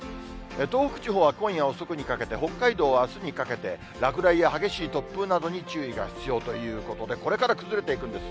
東北地方は今夜遅くにかけて、北海道はあすにかけて、落雷や激しい突風などに注意が必要ということで、これから崩れていくんです。